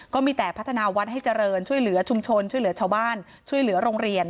ก็มีแต่พัฒนาวัดให้เจริญช่วยเหลือชุมชนช่วยเหลือชาวบ้านช่วยเหลือโรงเรียน